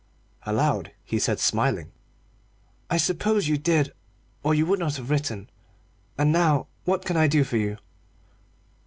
Aloud he said, smiling "I suppose you did, or you would not have written. And now what can I do for you?"